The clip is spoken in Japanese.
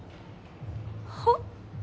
はっ？